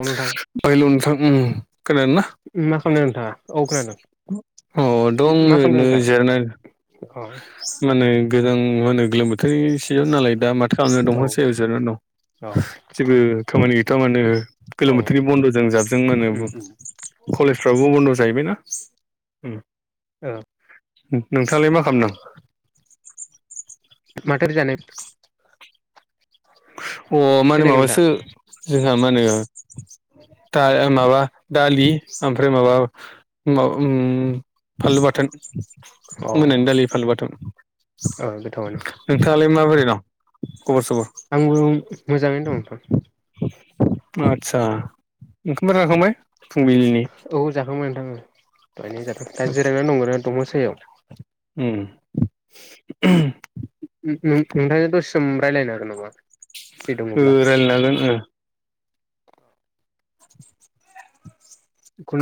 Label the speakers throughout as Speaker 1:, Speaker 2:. Speaker 1: औ नोंथां
Speaker 2: [inaudible] अ दङ
Speaker 1: मा खालामदों नोंथाङा औ खोनादों मा खालामदों
Speaker 2: ओरैनो
Speaker 1: नोंथाङा
Speaker 2: जिरायना
Speaker 1: औ
Speaker 2: माने गोलोम बोथोरनि सिजेन नालाय दा माथो खालामनो
Speaker 1: औ
Speaker 2: दंफा सायाव जिरनानै दं।
Speaker 1: औ
Speaker 2: जेबो खामानि गैथआ माने होनो
Speaker 1: औ
Speaker 2: गोलोम बोथोरनि बन्द'जों जाबजों मा
Speaker 1: उम
Speaker 2: मोनो
Speaker 1: उम
Speaker 2: कलेजफ्राबो बन्द' जाहैबायना
Speaker 1: ओ
Speaker 2: नोंथाङालाय मा खालामदों।
Speaker 1: [inaudible]
Speaker 2: अ मा होनो
Speaker 1: खोनायाखै नोंथां
Speaker 2: माबासो जोंहा मा होनो। दा माबा दालि ओमफ्राय माबा माबा उ फानलु बाथोन
Speaker 1: अ ओ
Speaker 2: मोनानि दालि फांलु बाथोन।
Speaker 1: गोथावानो
Speaker 2: नोंथाङालाय माबोरै दं खबर सबर
Speaker 1: आंबो मोजाङैनो दं नोंथां।
Speaker 2: आदसा ओंखाम जाखांबाय फुंबिलिनि?
Speaker 1: औ जाखांबाय औ दा जिरायना दं ओरैनो दंफां सायाव
Speaker 2: उम
Speaker 1: नों-नो-नोंथांजों दसे सम रायज्लायनो हागोन नामा? फ्रि
Speaker 2: ओं
Speaker 1: दङब्ला
Speaker 2: रायलायनो हागोन ओं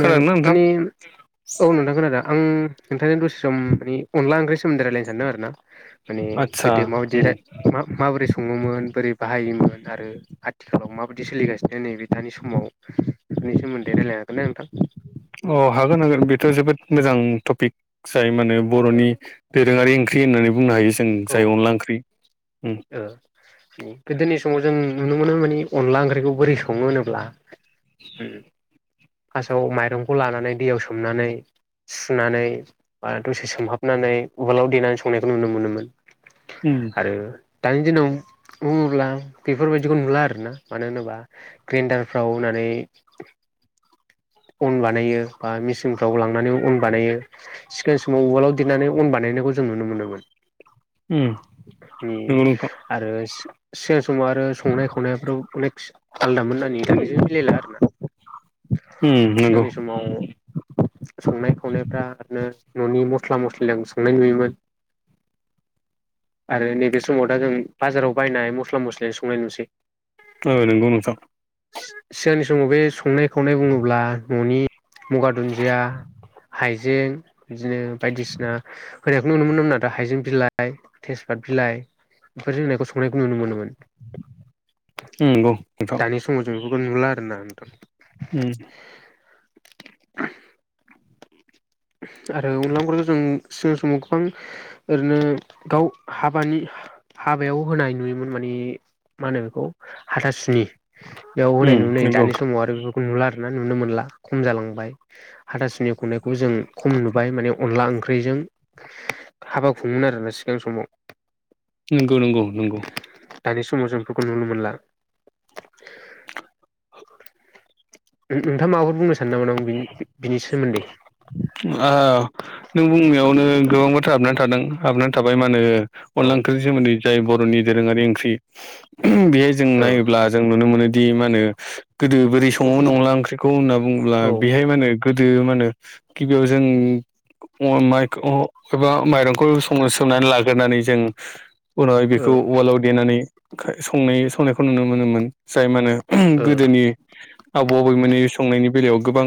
Speaker 2: खोनादोंना नोंथां
Speaker 1: औ नोंथां खोनादों। आं नोंथांजों दसे सम मानि अनला ओंख्रि सोमोन्दै रायलायनो सानदों आरोना। माने
Speaker 2: आदसा
Speaker 1: गोदो माबायदि
Speaker 2: उम
Speaker 1: माबोरै सं सङोमोन बोरै बाहायोमोन आरो आथिखालाव माबायदि सोलिगासिनो नैबे दानि समाव। बिसोरनि सोमोन्दै रायलायनो। हागोन ना नोंथां?
Speaker 2: अ हागोन हागोन बेथ' जोबोद मोजां टपिक। जाय माने बर'नि दोरोङारि ओंख्रि होननानै बुंनो हायो जों जाय अनला ओंख्रि। उम
Speaker 1: गोदोनि समाव जों नुनो मोनो मानि अनला ओंख्रिखौ बोरै सङो होनोब्ला। फार्स्टआव माइरंखौ लानानै दैयाव सोमनानै सुनानै बा दसे सोमहाबनानै उवालाव देनानै संनायखौ नुनो मोनोमोन।
Speaker 2: उम
Speaker 1: आरो दानि दिनाव बुङोब्ला बेफोर बायदिखौ नुला आरोना मानो होनोब्ला ग्रेन्दारफ्राव होननानै अन बानायो बा मेसिनफ्राव लांनानै अन बानायो सिगांनि समाव उवालाव देरनानै अन बानायो। जों नुनो
Speaker 2: उम
Speaker 1: मोनोमोन
Speaker 2: नंगौ नोंथां
Speaker 1: आरो सिगां समाव आरो संनाय खावनायफ्राव अनेख आलदामोन दानिजों जेबो मिलायला आरोना
Speaker 2: उम नंगौ
Speaker 1: सिगांनि समाव संनाय खावनायफ्रा आरोनो न'नि मस्ला मस्लि संनाय नुयोमोन। आरो नैबे समाव दा जों बाजाराव बायनाय मस्ला मस्लिजों संनाय नुसै।
Speaker 2: औ नोंगौ नोंथां।
Speaker 1: सिगांनि समाव बे संनाय खावनाय बुङोब्ला न'नि मगा दुन्दिया हाइजें बिदिनो बायदिसिना होनायखौ नुनो मोनोमोन आरो हाइजें बिलाइ, तेजपात बिलाइ बेफोरजों होनायखौ संनायखौ नुनो मोनोमोन‌।
Speaker 2: उम बुंं नोंथां।
Speaker 1: दानि [unintelligible]
Speaker 2: उम।
Speaker 1: [unintelligible] आरो अनला ओंख्रिखौ जों सिगां समाव गोबां ओरैनो गाव हाबानि हाबायाव होनाय नुयोमोन माने मा होनो बेखौ हाथासुनि बेयाव होननाय नुनो
Speaker 2: उम
Speaker 1: मोनो
Speaker 2: नंगौ
Speaker 1: दानि समाव। नुला आरोना नुनो मोनला खम जालांबाय हाथासुनि खुंननायखौ जों खम नुबाय माने अनला ओंख्रिजों हाबा खुङोमोन आरो ना सिगां समाव।
Speaker 2: नंगौ- नंगौ -नंगौ
Speaker 1: दानि समाव जों बेफोरखौ नुनो मोनला। नों नोंथांङा माफोर बुंनो [unintelligible] बि बिनि सोमोन्दै
Speaker 2: आ नों बुंनायावनो गोबां बाथ्रा हाबनानै थादों हाबनानै थाबाय मा होनो
Speaker 1: औ
Speaker 2: अनला ओंख्रिनि सोमोन्दै जाय बर'नि दोरोङारि ओंख्रि बेहाय जों
Speaker 1: औ
Speaker 2: नायोब्ला जों नुनो मोनोदि मा होनो गोदो बोरै सङोमोन अनला ओंख्रिखौ होनना बुङोब्ला
Speaker 1: औ ओ
Speaker 2: बेहाय मा होनो गोदो मा होनो गिबियाव जों अन माइ [unintelligible] एबा माइरंखौ सं सोमनानै लाग्रोनानै जों उनावहाय बेखौ उवालाव देनानै संनाय संनायखौ नुनो मोनोमोन जाय मा होनो
Speaker 1: ओ
Speaker 2: गोदोनि आबौ आबैमोननि संनायनि बेलायाव गोबां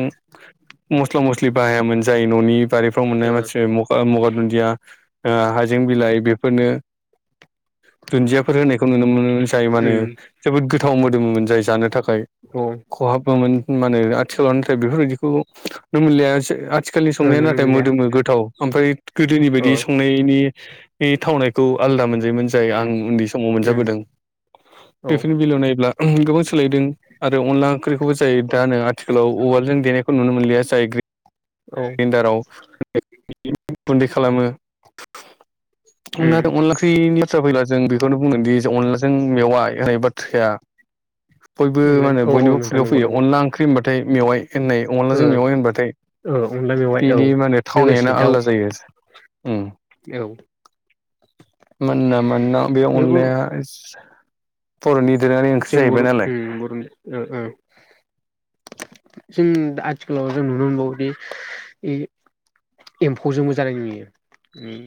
Speaker 2: मस्ला मस्लि बाहायामोन जायो न'नि बारिफ्राव
Speaker 1: ओ
Speaker 2: मोननाय [unintelligible] मगा [unintelligible] दुनदिया ओ हायजें बिलाइ बेफोरनो दुन्दियाफोर होनायखौ नुनो मोनो जाय मा होनो
Speaker 1: उम
Speaker 2: जोबोद गोथाव मोदोमोमोन जाय जानो था खाय
Speaker 1: औ ओ
Speaker 2: खहाबोमोन मा होनो आथिखालाव नाथाय बेफोरबायदिखौ नुनो मोनलिया आथिखालनि संनाया
Speaker 1: नुनो
Speaker 2: नाथाय
Speaker 1: मोनलिया
Speaker 2: मोदोमो गोथाव ओमफ्राय गोदोनि
Speaker 1: औ
Speaker 2: बायदि संनायनि थावनायखौ आलादा मोनजायोमोन जाय आं उन्दै समाव मोनजाबोदों
Speaker 1: औ
Speaker 2: बेफोरनि बेलायाव नायोब्ला गोबां सोलायदों आरो अनला ओंख्रिखौबो जाय दा नो आथिखालाव उवालजों देनायखौ नुनो मोनलिया जाय ग्रि
Speaker 1: औ
Speaker 2: ग्रेन्दाराव गुन्दै खालामो।
Speaker 1: उम
Speaker 2: अनलादो-अनला ओंख्रिनि बाथ्रा फैला जों बे। खौनो बुंगोनदि अनलाजों मेवाय [unintelligible] बाथ्राया। बयबो
Speaker 1: अनलाय
Speaker 2: मा होनो
Speaker 1: औ औ
Speaker 2: बयनिबो
Speaker 1: नोंथां
Speaker 2: खुगायाव
Speaker 1: नंगौ
Speaker 2: फैयो
Speaker 1: नंगौ
Speaker 2: अनला ओंख्रि होनबाथाय। मेवाइ होननाय
Speaker 1: ओ
Speaker 2: अन्लाजों मेवाइ होनबाथाय।
Speaker 1: ओ अनला मेवाइ औ
Speaker 2: बेनि माने
Speaker 1: लोगोसे
Speaker 2: थावनायानो
Speaker 1: दाउ
Speaker 2: आलदा जायो उम।
Speaker 1: औ
Speaker 2: मोन ना मोनना बे
Speaker 1: बेफोरखौ
Speaker 2: अनलाया बर'नि। दोरोङारि ओंख्रि
Speaker 1: जों बर'
Speaker 2: जाहैबाय नालाय
Speaker 1: उम बर'नि ओ औ। जों आथिखालाव जों नुनो मोनबावोदि। एम्फौजोंबो जानाय नुयो उम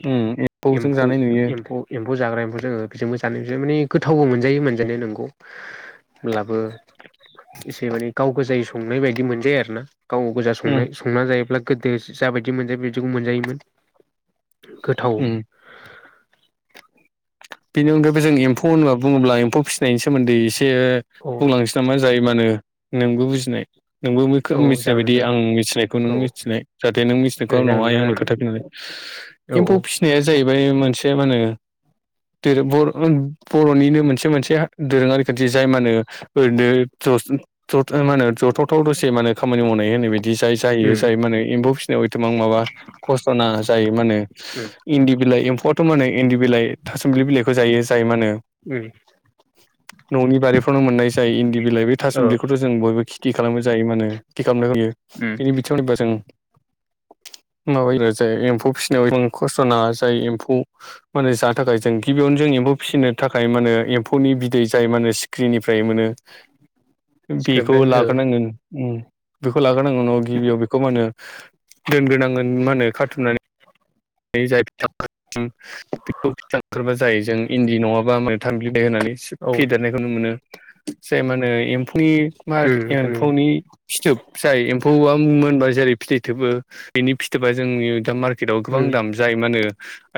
Speaker 2: एम्फौजों जानाय
Speaker 1: एम्फौ-
Speaker 2: नुयो
Speaker 1: एम्फौ एम। जाग्रा एम्फौ जोङो बेजोंबो जानाय माने गोथावबो मोनजायो मोनजानाया नंगौ। होनब्लाबो एसे माने गाव गोजायो संनाय बायदि मोनजायो आरो ना। गाव गोजा
Speaker 2: उम
Speaker 1: संनाय-संना जायोब्ला गोदो जाबायदि मोनजायो बिदिखौ मोनजायोमोन। गोथाव।
Speaker 2: उम बेनि अनगाबो जोंनि एम्फौ होनबा बुङोब्ला एम्फौ फिसिनायनि सोमोन्दै एसे। एयो
Speaker 1: औ
Speaker 2: बुंलांनोसै नामा जायो मा होनो नोंबो बुजिनाय। नोंबो
Speaker 1: औ
Speaker 2: मिथिनाय
Speaker 1: जागोन
Speaker 2: बायदि
Speaker 1: नोंथां
Speaker 2: आं मिथिनायखौ नों
Speaker 1: औ ओ
Speaker 2: मिथिनाय जाहाते नों मिथिनायखौ
Speaker 1: जागोन
Speaker 2: आंनावहाय
Speaker 1: नोंथां
Speaker 2: आंनो
Speaker 1: जागोन
Speaker 2: खोथा फिनलाय।
Speaker 1: औ
Speaker 2: एम्फौ फिसिनाया जाहैबाय मोनसे मा होनो। दोरो बर'-बर'निनो मोनसे मोनसे दोरोङारि खाान्थि जाय मा होनो ओरैनो। [unintelligible] मा होनो जथावथाव दसे माहोनो खामानि मावनाय होननाय बायदि। बि जाय जायो
Speaker 1: उम
Speaker 2: जाय मा होनो एम्फौ फिसिनायाव एथबां माबा खस्त' नाङा जायो मा होनो
Speaker 1: उम
Speaker 2: इन्दि। बिलाइ एम्फौआथ' मा होनो इन्दि बिलाइ थासुम्लि बिलाइखौ जायो जाय मा होनो।
Speaker 1: उम
Speaker 2: न'नि बारिफ्रावनो मोननाय जाय इन्दि बिलाइ बे
Speaker 1: औ
Speaker 2: थासुम्लिखौथ' जों बयबो। खेथि खालामनो जाय मा होनो खि खामनो होयो
Speaker 1: उम
Speaker 2: बिनि बिथिङाव नायबा जों।
Speaker 1: [unintelligible]
Speaker 2: माबायो जाय एम्फौ फिसिनायाव गोबां खस्थ' नाङा जाय एम्फौ मा होनो जा। थाखाय जों गिबियावनो जों एम्फौ फिसिनो थाखाय मा होनो एम्फौनि बिदै जाय मा होनो सिख्रिनिफ्राय मोनो।
Speaker 1: [unintelligible]
Speaker 2: बेखौ
Speaker 1: सिख्रेबनिफ्राय औ
Speaker 2: लाग्रोनांगोन उम बेखौ लाग्रोनांगोन उनाव गिबियाव बेखौ मा होनो। दोनग्रोनांगोन मा होनो खाथुमनानै आयो जाय बिथाङा। जों बिखौ बिथा ओंखारबाय जाय जों इन्दि नङाबा मैथांग्लि। देहोनानै सिब
Speaker 1: औ
Speaker 2: फिदेरनायखौ नु मोनो। नि मा
Speaker 1: उम
Speaker 2: होथेर
Speaker 1: नोंथां
Speaker 2: एम्फौनि फिथोब जाय एम्फौवा मोनबाय। जेरै फिथै थोबो बिनि फिथोबा जोंनि दा मार्केटआव गोबां
Speaker 1: उम उम
Speaker 2: दाम जायो मा होनो।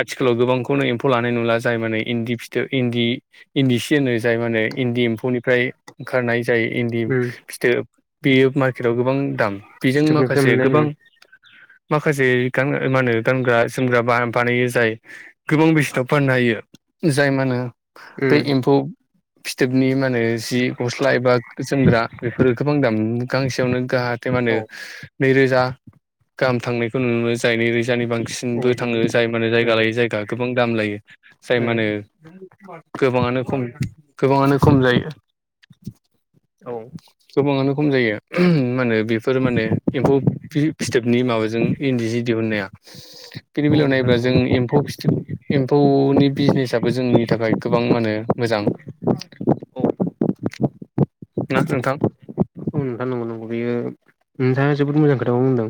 Speaker 2: आथिखालाव गोबांखौनो एम्फौ लानाय नुला जाय माने इन्दि फिथो इन्दि-इन्दि सि होनो जाय माने। ओ इन्दि एम्फौनिफ्राय ओंखारनाय जायो इन्दि
Speaker 1: उम
Speaker 2: फिथोब बेयो मार्केट। गोबां दाम बेजों
Speaker 1: सिथोबनिफ्राय
Speaker 2: माखासे
Speaker 1: मोननाय
Speaker 2: गोबां
Speaker 1: उम
Speaker 2: माखासे गां ओ मा होनो। गानग्रा-जोमग्रा बा बानायो जाय गोबां बेसेनाव फाननो हायो जाय मा होनो। बे
Speaker 1: उम
Speaker 2: एम्फौ। फिथोबनि मा मोनो जि गस्ला एबा जोमग्रा बेफोरो गोबां दाम गांसेयावनो गाहाथे माने।
Speaker 1: औ
Speaker 2: नै रोजा गाहाम थांनायखौ नुनो मोनो जाय नैरोजा। जानि
Speaker 1: औ
Speaker 2: बांसिनबो थाङो
Speaker 1: नंगौ
Speaker 2: जाय माने
Speaker 1: उम
Speaker 2: जायगा
Speaker 1: उम
Speaker 2: लायो जायगा गोबां दाम लायो जाय मा होनो। गोबाङानो खम गोबाङानो खम जायो।
Speaker 1: औ।
Speaker 2: गोबाङानो खम जायो मा होनो बेफोर माने एम्फौ फिरि फिथोबनि माबाजों इन्दि। जि दिहुननाया। किनि बेलायाव
Speaker 1: नोंथां
Speaker 2: नायोब्ला जों
Speaker 1: नंगौ
Speaker 2: एम्फौ फिथोब एम्फौनि बिजनेसाबो जोंनि। थाखाय गोबां मा होनो मोजां।
Speaker 1: औ
Speaker 2: ना नोंथां?
Speaker 1: उम नोथां नंगौ-नंगौ बेयो नोंथाङा जोबोद मोजां खोथाखौनो बुंदों।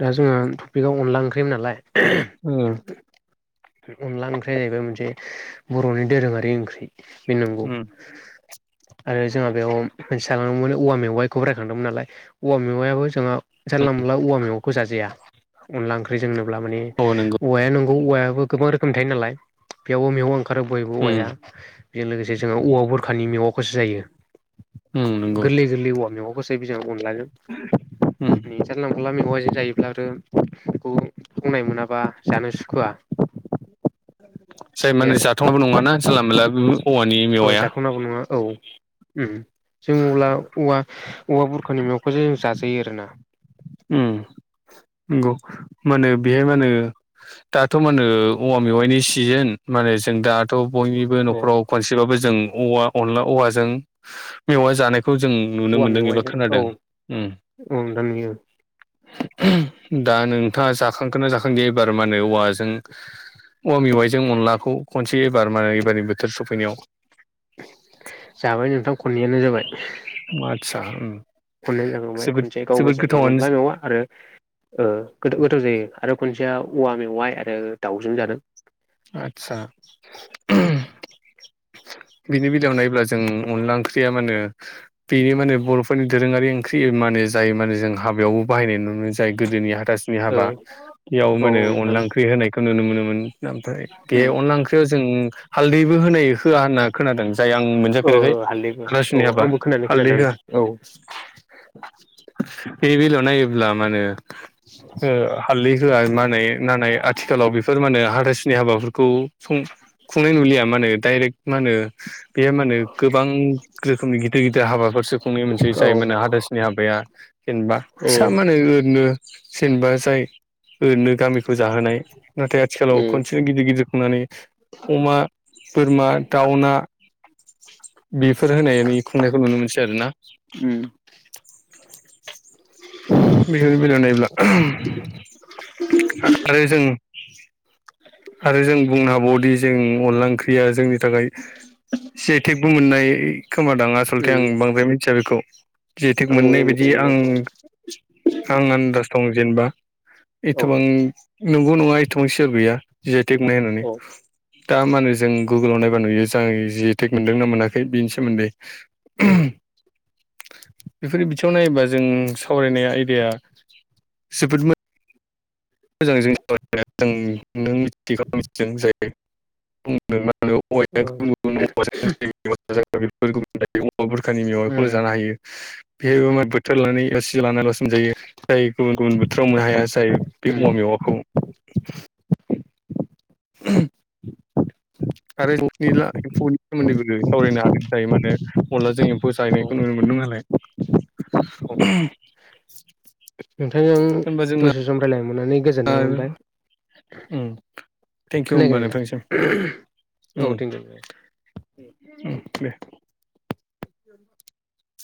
Speaker 1: दा जोङो थपिकआव अनला ओंख्रैमोन नालाय [unintelligible] अनला ओंख्रिया जाहैबाय मोनसे बर'नि दोरोङारि ओंख्रि बे नंगौ आरो जोंहा बेयाव होनसां मोने औवा मेवाइखौबो रायखांदोंमोन नालाय औवा मेवाइयाबो जोंहा जानला मोनला औवा मेवाइखौ जाजाया अनला ओंख्रै जोंनोब्ला माने
Speaker 2: औ नंगौ
Speaker 1: औवाया न' औवायाबो गोबां रोखोमनि थायो नालाय बेयावबो मेवा ओंखारो बयबो औवाया जों लोगोसे जोंङो औवा बुरखानि मेवाखौसो जायो
Speaker 2: उम नंगौ
Speaker 1: गोरलै गोरलै औवा मेवा [unintelligible] बिजों अनलाजों
Speaker 2: उम
Speaker 1: नि जानला मानला मेवाइजों जायोब्ला आरो खौ थावनाय मोनाबा जानो सुखुवा
Speaker 2: जाय मा
Speaker 1: बे
Speaker 2: होनो जाथावनाबो नङाना जानला मोनला बो औवानि
Speaker 1: आरो औ
Speaker 2: मेवाइया
Speaker 1: जाथावनाबो नङा औ उम जों अब्ला औवा औवा बुरखानि मेवाखोजो जाजायो आरोना
Speaker 2: उम नोंगौ मा होनो बेहाय मा होनो दाथ' मानो औवा मेवाइनि सिजोन माने जों दाथ' बयनिबो
Speaker 1: औ
Speaker 2: न'खराव खनसेबाबो जों औवा अनला औवाजों मेवाइ जानाय खौ जों नुनो
Speaker 1: औवा
Speaker 2: मोन्दों एबा
Speaker 1: मेवाइजों
Speaker 2: खोनादों
Speaker 1: औ
Speaker 2: उम
Speaker 1: नोंथां नुयो
Speaker 2: [unintelligible] दा नोंथाङा जाखांखोना जाखांदिया एबार मा होनो औवाजों औवा मेवाइजों अनलाखौ खनसे एबार मा होनो एबारनि बो
Speaker 1: जाबाय नोंथां खननैयानो जाबाय
Speaker 2: अ आतसा
Speaker 1: खननैयानो जाखांबाय खनसे गावबो जायो
Speaker 2: गोथावानो
Speaker 1: अनला मेवआ आरो ओ गोथ - गोथाव जायो आरो खनसेया औवा मेवाइ आरो दाउजों जादों
Speaker 2: आदसा
Speaker 1: [inaudible]
Speaker 2: बिनि बेलायाव नायोब्ला जों अनला ओंख्रिया मा होनो बेयो मानो बर'फोरनि दोरोङारि ओं ख्रि मानो‌ जाय मानो जों हाबायावबो बाहायनाय नुनो जाय गोदोनि हा तासनि
Speaker 1: ओ
Speaker 2: हाबा इयाव
Speaker 1: औ
Speaker 2: मा होनो
Speaker 1: नोंथां
Speaker 2: अनला ओंख्रि होनायखो नुनो मोनोमोन दा ओमफ्राय बे
Speaker 1: उम
Speaker 2: अनला ओंख्रियाव जों हालदैबो होनाय होआ होनना खोनादों जाय आं
Speaker 1: औ
Speaker 2: मोनजाफेराखै
Speaker 1: हालदैबो होआ
Speaker 2: हाथासुनि
Speaker 1: औ
Speaker 2: हाबा
Speaker 1: आंबो खोनानाया
Speaker 2: हालदै होआ
Speaker 1: खोनादों औ [unintelligible]
Speaker 2: बे बेलायाव नायोब्ला मानो ओ हालदै होआ मानाय नानाय आथिखालाव बेफोर मानो [unintelligible] हाबाफोरखौ खुं- खुंनाय नुलिया मा होनो डाइरेक्ट मा होनो बे मानो गोबां रोखोमनि गिदिर गिदिर हाबाफोरसो खुंनाय मोनसै
Speaker 1: औ
Speaker 2: जाय मानो हाथासुनि हाबाया जेनबा
Speaker 1: उम
Speaker 2: फिसा मानो आरैनो जेनबा जाय ओरनो गामिखो जाहोनाय नाथाय आथिखालाव खनसेनो गिदिर गिदिर खुंनानै अमा बोरमा दाउना बेफोर होनानै खुंनायखौ नुनो मोनसै आर ना
Speaker 1: उम
Speaker 2: [unintelligible] [unintelligible] नायब्ला [unintelligible] आरो जों आरो जों बुंनो हाबावदि जों अनला ओंख्रिया जोंनि थाखाय जि आइ तेग बो मोननाय खोमादां आसलथे
Speaker 1: उम
Speaker 2: आं बांद्राय मिथिया बेखौ जि आइ तेग
Speaker 1: आंबो
Speaker 2: मोननाय बायदि
Speaker 1: मिथिनायखौ
Speaker 2: आं-आं आन्दाज दं जेनबा
Speaker 1: औ
Speaker 2: एथबां नंगौ नङा एथबां सियर गैया जाय आइ तेग मोननाय होननानै
Speaker 1: औ
Speaker 2: दा मा होनो जों गुगोलाव नायबा नुयो जाय जि आइ टेग मोनदोंना मोनाखै बिनि सोमोन्दै
Speaker 1: उम
Speaker 2: बेफोर बिथिङाव नायोबा जों सावरायनाय आयदाया जोबोद मो [unintelligible] [unintelligible] [unintelligible]
Speaker 1: ओ
Speaker 2: बुरखानि मेवाइखौ
Speaker 1: उम
Speaker 2: जानो हायो बेहायबो मा बोथोर लानानै ओ [unintelligible] [unintelligible] [unintelligible] जायो जाय गुबुन गुबुन बोथोराव मोननो हायास बे
Speaker 1: उम
Speaker 2: अमा मेवाखौ [inaudible] खारै [unintelligible] सोमोन्दैबो सावरायनो हादों थायो मानोे अनलाजों ए म्फौ
Speaker 1: औ
Speaker 2: [unintelligible] नुनो मोनदों नालाय
Speaker 1: औ नोंथांजों
Speaker 2: होनबा जोंना
Speaker 1: दस्र सम रायज्लायनो मोननानै गोजोननाय मोनबाय
Speaker 2: उम थेंकिउ
Speaker 1: खोनायाखै
Speaker 2: होमबा
Speaker 1: नोंथां
Speaker 2: नोंथांसिम
Speaker 1: औ [unintelligible]
Speaker 2: [unintelligible] दे